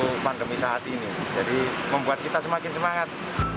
jadi membuat kita semakin semangat